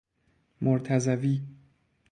مرتضوی